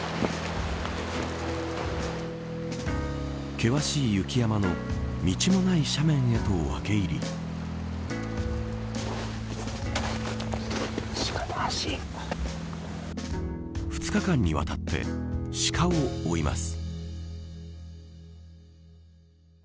険しい雪山の道のない斜面へと分け入り２日間にわたってシカを追います。